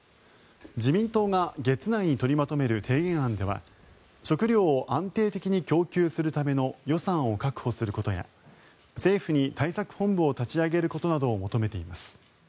自民党が月内に取りまとめる提言案では食料を安定的に供給するための予算を確保することや政府に対策本部を立ち上げることなどを求めています。